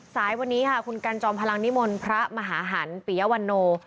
สายวันนี้ค่ะคุณกันจอมพลังนิมนต์พระมหาหันปียวันโน